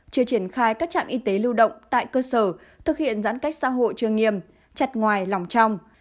chưa triển khai các trạm y tế lưu động tại cơ sở thực hiện giãn cách xã hội chưa nghiêm chặt ngoài lòng trong